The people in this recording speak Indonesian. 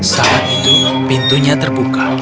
saat itu pintunya terbuka